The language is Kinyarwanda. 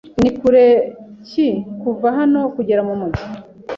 Ni kure ki kuva hano kugera mu mujyi?